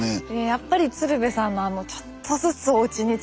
やっぱり鶴瓶さんのちょっとずつおうちに近づいて。